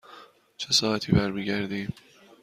چه ساعتی برمی گردیم؟